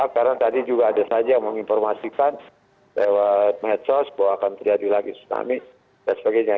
karena tadi juga ada saja yang menginformasikan lewat medsos bahwa akan terjadi lagi tsunami dan sebagainya